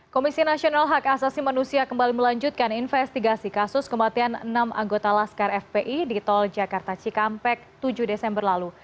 komisi nasional hak asasi manusia kembali melanjutkan investigasi kasus kematian enam anggota laskar fpi di tol jakarta cikampek tujuh desember lalu